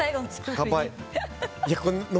乾杯！